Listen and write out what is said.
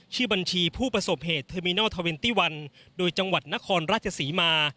ชื่อบัญชีผู้ประสบเหตุเทอร์มินอล๒๑โดยจังหวัดนครราชสีมา